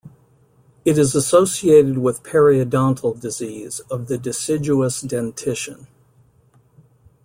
It is associated with periodontal disease of the deciduous dentition.